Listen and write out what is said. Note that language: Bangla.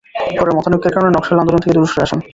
পরে মতানৈক্যের কারণে নকশাল আন্দোলন থেকে দূরে সরে আসেন।